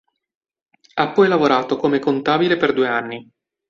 Ha poi lavorato come contabile per due anni.